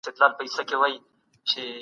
هر حکومت پنځه مختلف پړاوونه وهي.